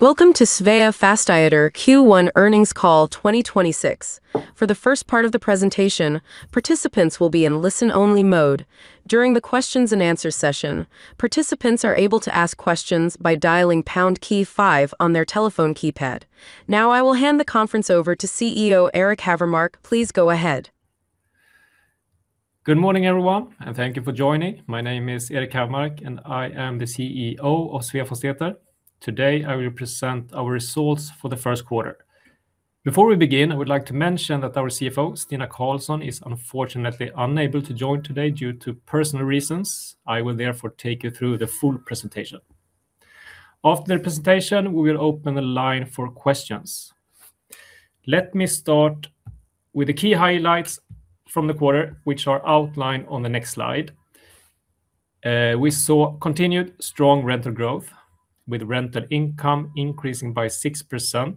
Welcome to Sveafastigheter Q1 Earnings Call 2026. For the first part of the presentation, participants will be in listen-only mode. During the questions and answers session, participants are able to ask questions by dialing pound key five on their telephone keypad. Now I will hand the conference over to CEO Erik Hävermark. Please go ahead. Good morning, everyone, and thank you for joining. My name is Erik Hävermark, and I am the CEO of Sveafastigheter. Today, I will present our results for the first quarter. Before we begin, I would like to mention that our CFO, Stina Carlson, is unfortunately unable to join today due to personal reasons. I will therefore take you through the full presentation. After the presentation, we will open the line for questions. Let me start with the key highlights from the quarter, which are outlined on the next slide. We saw continued strong rental growth, with rental income increasing by 6%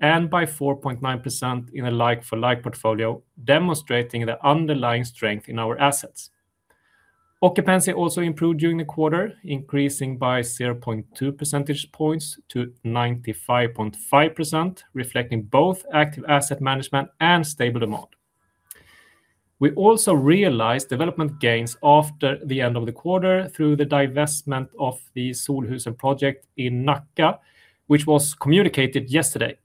and by 4.9% in a like-for-like portfolio, demonstrating the underlying strength in our assets. Occupancy also improved during the quarter, increasing by 0.2 percentage points to 95.5%, reflecting both active asset management and stable demand. We also realized development gains after the end of the quarter through the divestment of the Solhusen project in Nacka, which was communicated yesterday.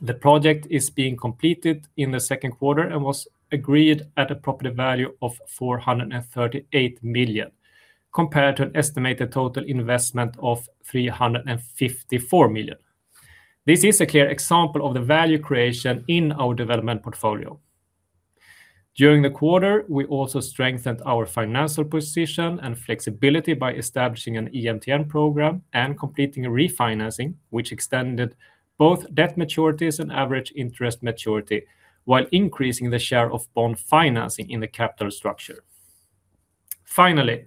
The project is being completed in the second quarter and was agreed at a property value of 438 million, compared to an estimated total investment of 354 million. This is a clear example of the value creation in our development portfolio. During the quarter, we also strengthened our financial position and flexibility by establishing an EMTN program and completing a refinancing, which extended both debt maturities and average interest maturity while increasing the share of bond financing in the capital structure. Finally,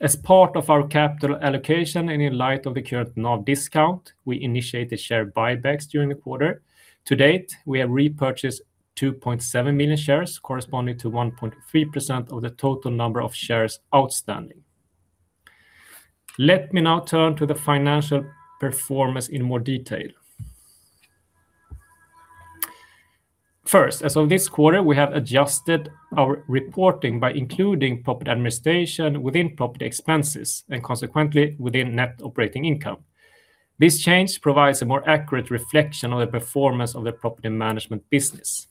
as part of our capital allocation and in light of the current NAV discount, we initiated share buybacks during the quarter. To date, we have repurchased 2.7 million shares, corresponding to 1.3% of the total number of shares outstanding. Let me now turn to the financial performance in more detail. First, as of this quarter, we have adjusted our reporting by including property administration within property expenses and consequently within net operating income. This change provides a more accurate reflection on the performance of the property management business.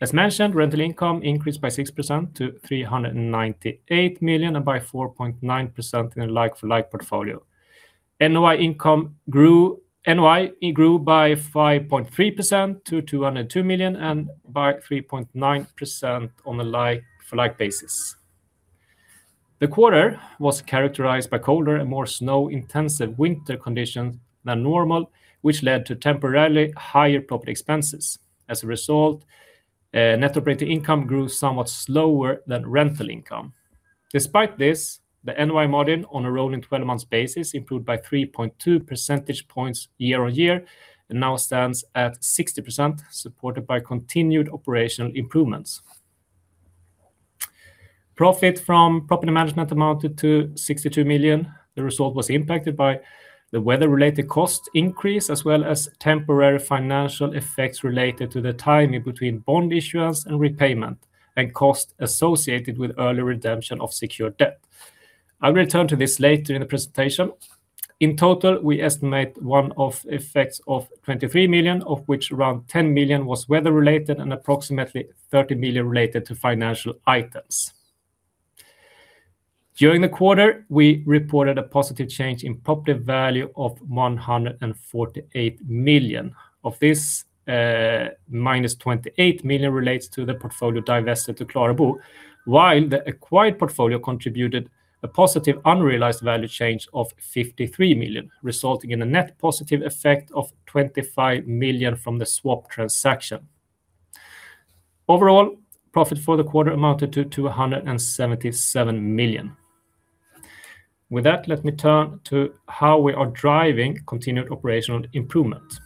As mentioned, rental income increased by 6% to 398 million and by 4.9% in a like-for-like portfolio. NOI grew by 5.3% to 202 million and by 3.9% on a like-for-like basis. The quarter was characterized by colder and more snow-intensive winter conditions than normal, which led to temporarily higher property expenses. As a result, net operating income grew somewhat slower than rental income. Despite this, the NOI margin on a rolling 12 months basis improved by 3.2 percentage points year-over-year and now stands at 60%, supported by continued operational improvements. Profit from property management amounted to 62 million. The result was impacted by the weather-related cost increase, as well as temporary financial effects related to the timing between bond issuance and repayment and costs associated with early redemption of secured debt. I will return to this later in the presentation. In total, we estimate one-off effects of 23 million, of which around 10 million was weather-related and approximately 30 million related to financial items. During the quarter, we reported a positive change in property value of 148 million. Of this, -28 million relates to the portfolio divested to Klarabo, while the acquired portfolio contributed a positive unrealized value change of 53 million, resulting in a net positive effect of 25 million from the swap transaction. Overall, profit for the quarter amounted to 277 million. With that, let me turn to how we are driving continued operational improvement.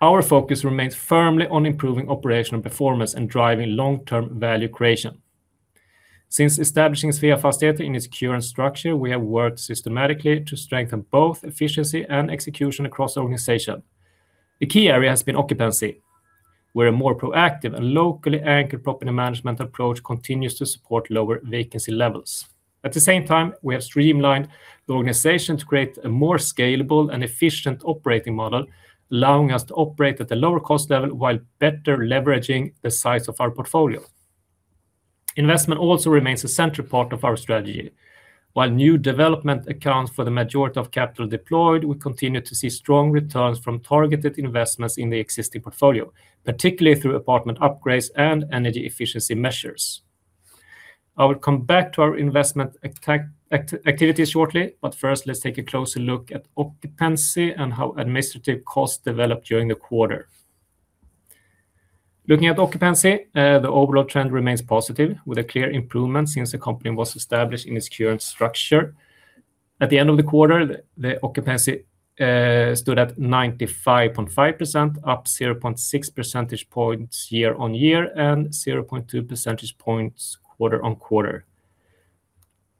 Our focus remains firmly on improving operational performance and driving long-term value creation. Since establishing Sveafastigheter in its current structure, we have worked systematically to strengthen both efficiency and execution across the organization. The key area has been occupancy, where a more proactive and locally anchored property management approach continues to support lower vacancy levels. At the same time, we have streamlined the organization to create a more scalable and efficient operating model, allowing us to operate at a lower cost level while better leveraging the size of our portfolio. Investment also remains a central part of our strategy. While new development accounts for the majority of capital deployed, we continue to see strong returns from targeted investments in the existing portfolio, particularly through apartment upgrades and energy efficiency measures. I will come back to our investment activities shortly, but first let's take a closer look at occupancy and how administrative costs developed during the quarter. Looking at occupancy, the overall trend remains positive, with a clear improvement since the company was established in its current structure. At the end of the quarter, the occupancy stood at 95.5%, up 0.6 percentage points year-over-year, and 0.2 percentage points quarter-over-quarter.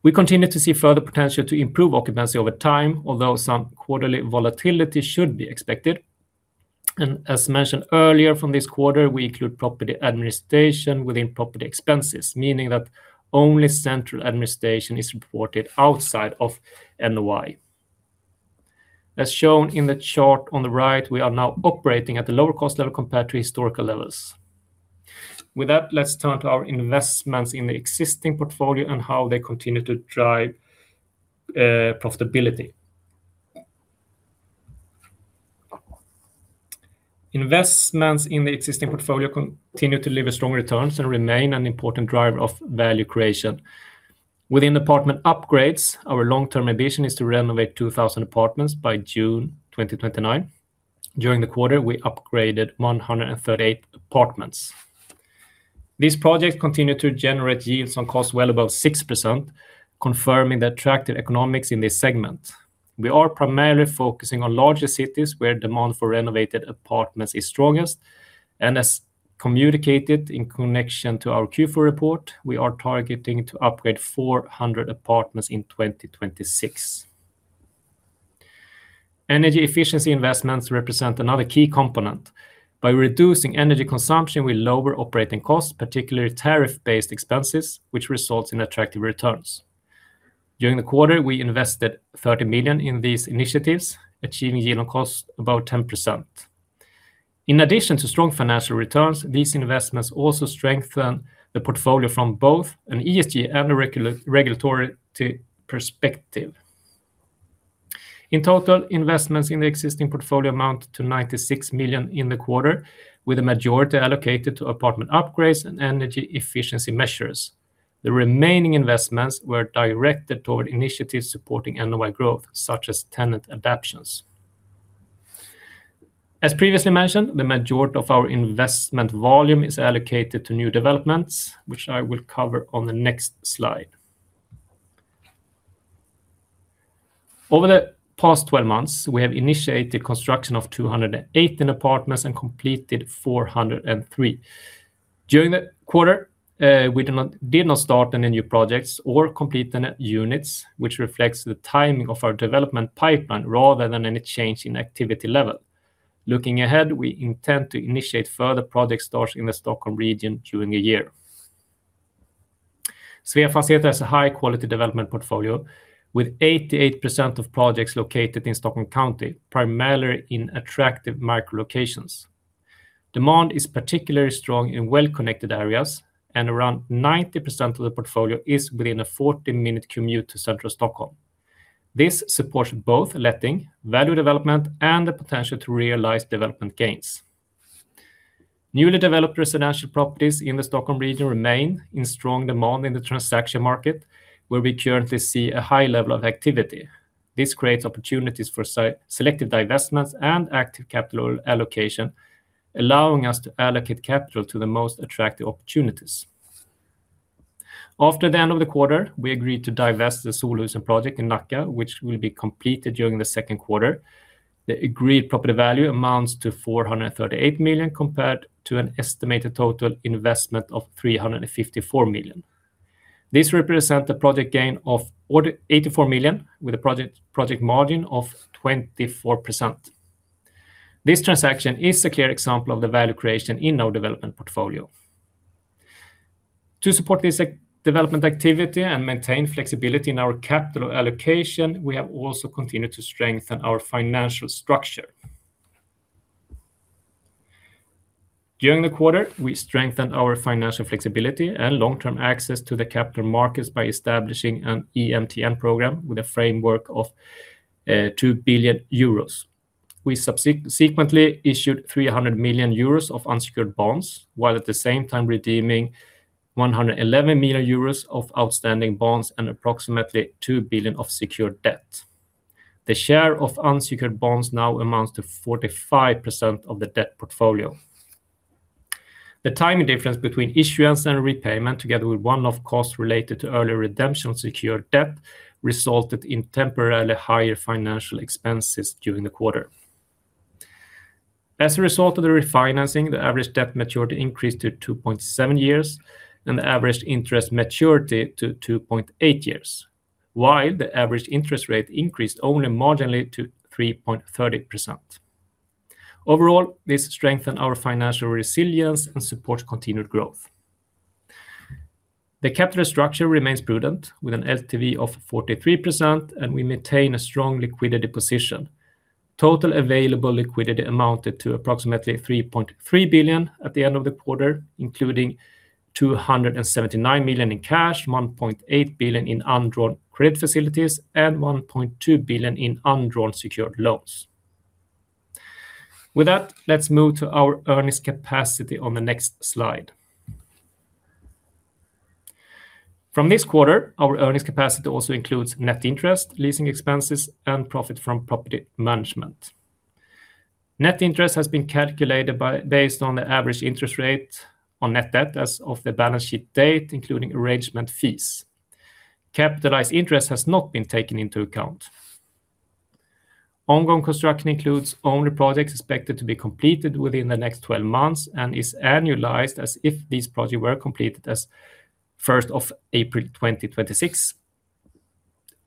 We continue to see further potential to improve occupancy over time, although some quarterly volatility should be expected. As mentioned earlier from this quarter, we include property administration within property expenses, meaning that only central administration is reported outside of NOI. As shown in the chart on the right, we are now operating at a lower cost level compared to historical levels. With that, let's turn to our investments in the existing portfolio and how they continue to drive profitability. Investments in the existing portfolio continue to deliver strong returns and remain an important driver of value creation. Within apartment upgrades, our long-term ambition is to renovate 2,000 apartments by June 2029. During the quarter, we upgraded 138 apartments. These projects continue to generate yields on costs well above 6%, confirming the attractive economics in this segment. We are primarily focusing on larger cities where demand for renovated apartments is strongest, and as communicated in connection to our Q4 report, we are targeting to upgrade 400 apartments in 2026. Energy efficiency investments represent another key component. By reducing energy consumption, we lower operating costs, particularly tariff-based expenses, which results in attractive returns. During the quarter, we invested 30 million in these initiatives, achieving yield on costs above 10%. In addition to strong financial returns, these investments also strengthen the portfolio from both an ESG and a regulatory perspective. In total, investments in the existing portfolio amount to 96 million in the quarter, with the majority allocated to apartment upgrades and energy efficiency measures. The remaining investments were directed toward initiatives supporting NOI growth, such as tenant adaptations. As previously mentioned, the majority of our investment volume is allocated to new developments, which I will cover on the next slide. Over the past 12 months, we have initiated construction of 208 apartments and completed 403. During the quarter, we did not start any new projects or complete any units, which reflects the timing of our development pipeline rather than any change in activity level. Looking ahead, we intend to initiate further project starts in the Stockholm region during the year. Sveafastigheter has a high-quality development portfolio, with 88% of projects located in Stockholm County, primarily in attractive micro locations. Demand is particularly strong in well-connected areas, and around 90% of the portfolio is within a 40-minute commute to central Stockholm. This supports both letting, value development, and the potential to realize development gains. Newly developed residential properties in the Stockholm region remain in strong demand in the transaction market, where we currently see a high level of activity. This creates opportunities for selective divestments and active capital allocation, allowing us to allocate capital to the most attractive opportunities. After the end of the quarter, we agreed to divest the Solhusen project in Nacka, which will be completed during the second quarter. The agreed property value amounts to 438 million compared to an estimated total investment of 354 million. This represents a project gain of 84 million, with a project margin of 24%. This transaction is a clear example of the value creation in our development portfolio. To support this development activity and maintain flexibility in our capital allocation, we have also continued to strengthen our financial structure. During the quarter, we strengthened our financial flexibility and long-term access to the capital markets by establishing an EMTN program with a framework of 2 billion euros. We subsequently issued 300 million euros of unsecured bonds, while at the same time redeeming 111 million euros of outstanding bonds and approximately 2 billion of secured debt. The share of unsecured bonds now amounts to 45% of the debt portfolio. The timing difference between issuance and repayment, together with one-off costs related to early redemption of secured debt, resulted in temporarily higher financial expenses during the quarter. As a result of the refinancing, the average debt maturity increased to 2.7 years and the average interest maturity to 2.8 years, while the average interest rate increased only marginally to 3.30%. Overall, this strengthened our financial resilience and supports continued growth. The capital structure remains prudent, with an LTV of 43%, and we maintain a strong liquidity position. Total available liquidity amounted to approximately 3.3 billion at the end of the quarter, including 279 million in cash, 1.8 billion in undrawn credit facilities, and 1.2 billion in undrawn secured loans. With that, let's move to our earnings capacity on the next slide. From this quarter, our earnings capacity also includes net interest, leasing expenses, and profit from property management. Net interest has been calculated based on the average interest rate on net debt as of the balance sheet date, including arrangement fees. Capitalized interest has not been taken into account. Ongoing construction includes only projects expected to be completed within the next 12 months and is annualized as if these projects were completed as 1st of April 2026.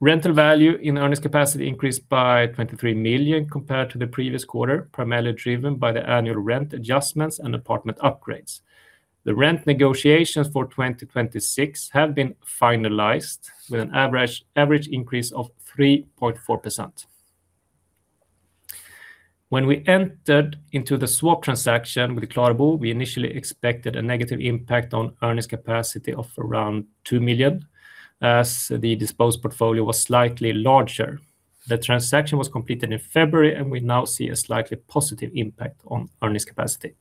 Rental value in earnings capacity increased by 23 million compared to the previous quarter, primarily driven by the annual rent adjustments and apartment upgrades. The rent negotiations for 2026 have been finalized with an average increase of 3.4%. When we entered into the swap transaction with Klarabo, we initially expected a negative impact on earnings capacity of around 2 million, as the disposed portfolio was slightly larger. The transaction was completed in February, and we now see a slightly positive impact on earnings capacity.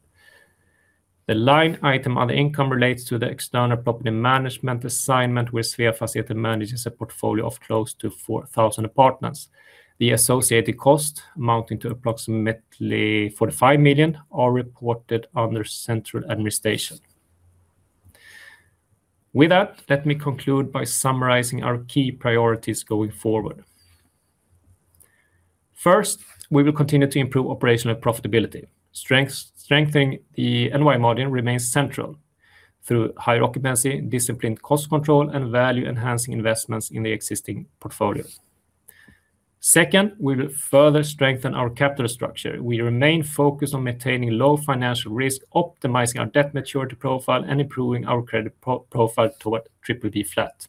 The line item on the income relates to the external property management assignment, where Sveafastigheter manages a portfolio of close to 4,000 apartments. The associated cost, amounting to approximately 45 million, are reported under central administration. With that, let me conclude by summarizing our key priorities going forward. First, we will continue to improve operational profitability. Strengthening the NOI margin remains central through higher occupancy, disciplined cost control, and value-enhancing investments in the existing portfolio. Second, we will further strengthen our capital structure. We remain focused on maintaining low financial risk, optimizing our debt maturity profile, and improving our credit profile toward BBB flat.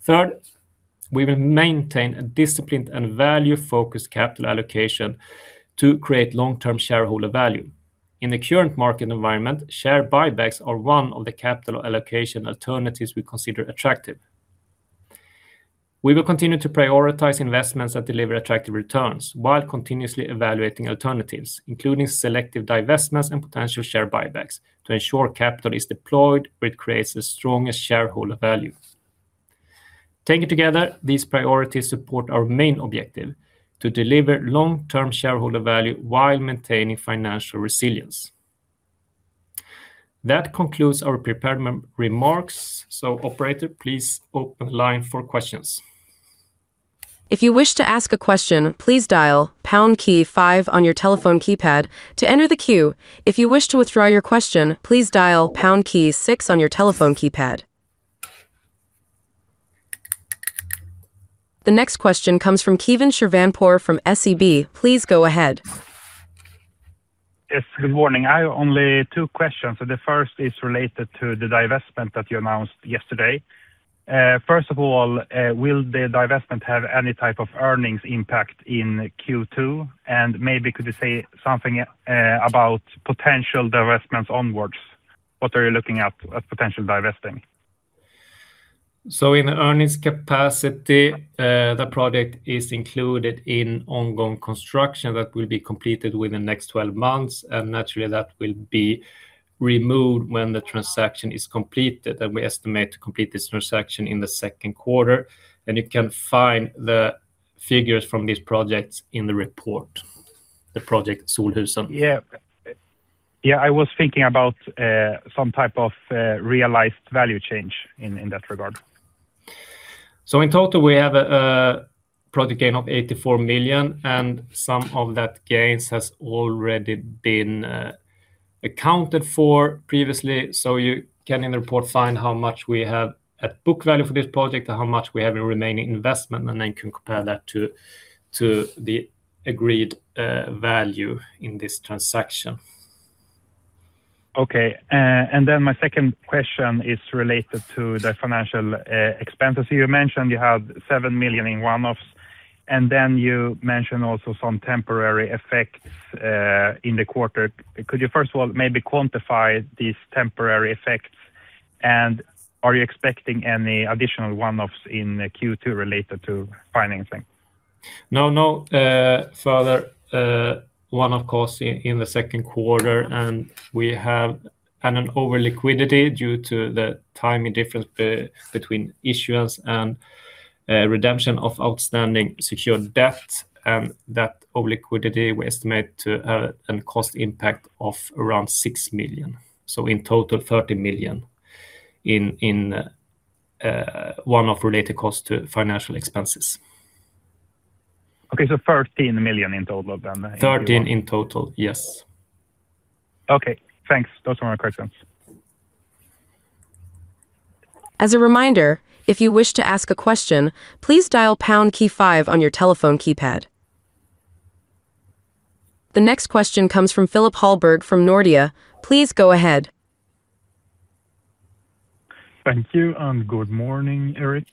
Third, we will maintain a disciplined and value-focused capital allocation to create long-term shareholder value. In the current market environment, share buybacks are one of the capital allocation alternatives we consider attractive. We will continue to prioritize investments that deliver attractive returns while continuously evaluating alternatives, including selective divestments and potential share buybacks to ensure capital is deployed where it creates the strongest shareholder value. Taken together, these priorities support our main objective to deliver long-term shareholder value while maintaining financial resilience. That concludes our prepared remarks. Operator, please open line for questions. The next question comes from Keivan Shirvanpour from SEB. Please go ahead. Yes, good morning. I have only two questions. The first is related to the divestment that you announced yesterday. First of all, will the divestment have any type of earnings impact in Q2? Maybe could you say something about potential divestments onwards? What are you looking at as potential divesting? In earnings capacity, the project is included in ongoing construction that will be completed within the next 12 months, and naturally that will be removed when the transaction is completed, and we estimate to complete this transaction in the second quarter. You can find the figures from this project in the report, the project Solhusen. Yeah. I was thinking about some type of realized value change in that regard. In total, we have a project gain of 84 million, and some of that gains has already been accounted for previously. You can in the report find how much we have at book value for this project or how much we have in remaining investment, and then compare that to the agreed value in this transaction. Okay. My second question is related to the financial expenses. You mentioned you have 7 million in one-offs, and then you mention also some temporary effects, in the quarter. Could you first of all maybe quantify these temporary effects? And are you expecting any additional one-offs in Q2 related to financing? Now, further one-off costs in the second quarter, and we have an over liquidity due to the timing difference between issuance and redemption of outstanding secured debt. That over liquidity, we estimate to a net cost impact of around 6 million. In total, 30 million in one-off related costs to financial expenses. Okay, 13 million in total then? 13 million in total, yes. Okay, thanks. Those were my questions. As a reminder, if you wish to ask a question, please dial pound key five on your telephone keypad. The next question comes from Philip Hallberg from Nordea. Please go ahead. Thank you, and good morning, Erik.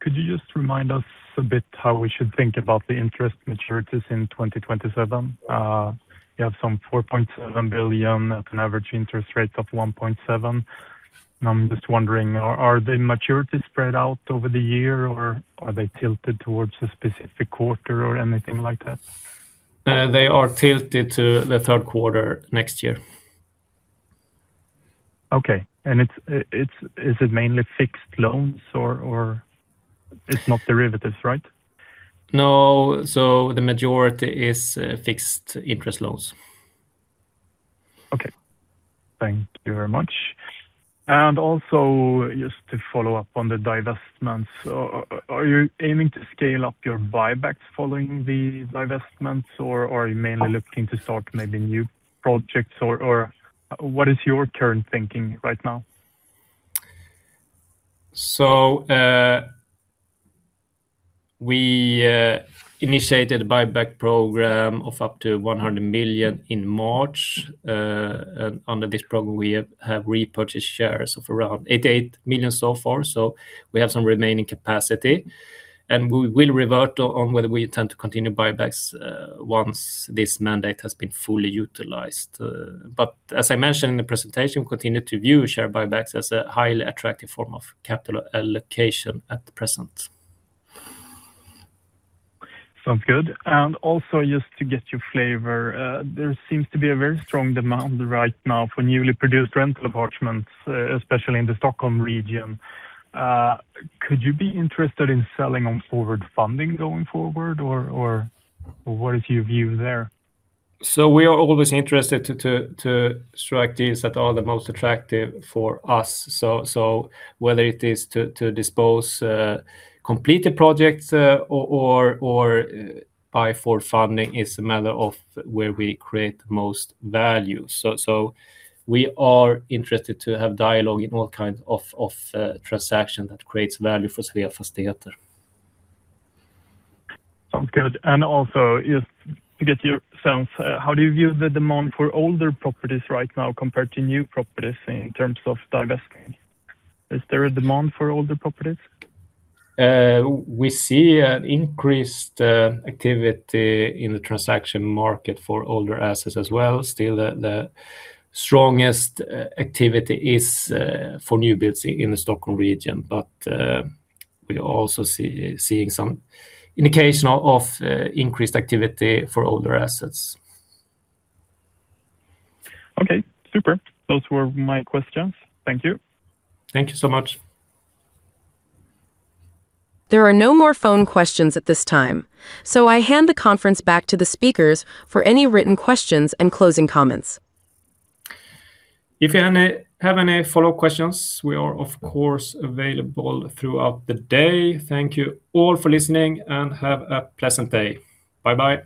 Could you just remind us a bit how we should think about the interest maturities in 2027? You have some 4.7 billion at an average interest rate of 1.7%, and I'm just wondering, are the maturities spread out over the year, or are they tilted towards a specific quarter or anything like that? They are tilted to the third quarter next year. Okay. Is it mainly fixed loans? It's not derivatives, right? No. The majority is fixed interest loans. Okay. Thank you very much. Also, just to follow up on the divestments, are you aiming to scale up your buybacks following the divestments, or are you mainly looking to start maybe new projects? Or what is your current thinking right now? We initiated a buyback program of up to 100 million in March. Under this program, we have repurchased shares of around 88 million so far. We have some remaining capacity, and we will revert on whether we intend to continue buybacks once this mandate has been fully utilized. As I mentioned in the presentation, we continue to view share buybacks as a highly attractive form of capital allocation at present. Sounds good. Just to get your flavor, there seems to be a very strong demand right now for newly produced rental apartments, especially in the Stockholm region. Could you be interested in selling on forward funding going forward, or what is your view there? We are always interested to strike deals that are the most attractive for us. Whether it is to dispose completed projects or by forward funding is a matter of where we create the most value. We are interested to have dialogue in all kinds of transaction that creates value for Sveafastigheter. Sounds good. Just to get your sense, how do you view the demand for older properties right now compared to new properties in terms of divesting? Is there a demand for older properties? We see an increased activity in the transaction market for older assets as well. Still, the strongest activity is for new builds in the Stockholm region. We are also seeing some indication of increased activity for older assets. Okay, super. Those were my questions. Thank you. Thank you so much. There are no more phone questions at this time, so I hand the conference back to the speakers for any written questions and closing comments. If you have any follow-up questions, we are of course available throughout the day. Thank you all for listening, and have a pleasant day. Bye-bye